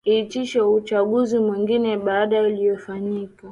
iitishwe uchaguzi mwingine baada ya uliyofanyika